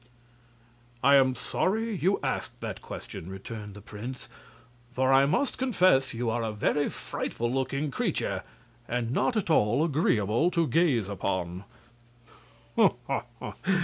"I am sorry you asked that question," returned the prince; "for I must confess you are a very frightful looking creature, and not at all agreeable to gaze upon."